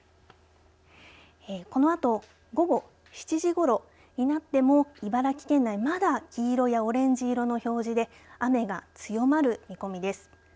このあと午後７時ごろになっても茨城県内まだ黄色やオレンジ色の表示で雨が強まる見込みです。